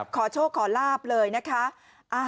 ขอโชคขอลาบเลยนะคะ